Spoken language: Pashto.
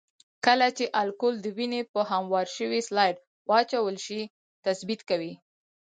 کله چې الکول د وینې په هموار شوي سلایډ واچول شي تثبیت کوي.